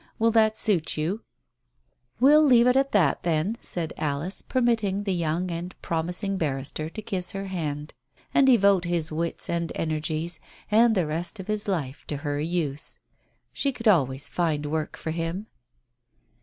Will that suit you ?" "We'll leave it at that, then," said Alice, permitting the young and promising barrister to kiss her hand, and devote his wits and energies and the rest of his life to her use. She could always find work for him.